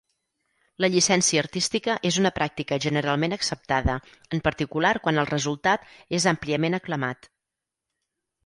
La llicència artística és una pràctica generalment acceptada, en particular quan el resultat és àmpliament aclamat.